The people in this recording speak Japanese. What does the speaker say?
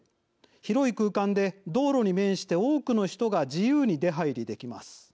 広い空間で、道路に面して多くの人が自由に出入りできます。